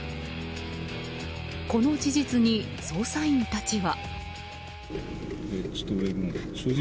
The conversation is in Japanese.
この事実に捜査員たちは。